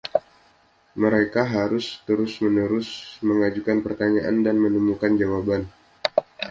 Mereka harus terus-menerus mengajukan pertanyaan dan menemukan jawaban.